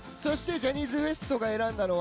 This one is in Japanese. ジャニーズＷＥＳＴが選んだのは？